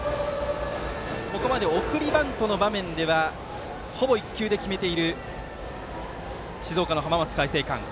ここまで送りバントの場面ではほぼ１球で決めている静岡の浜松開誠館。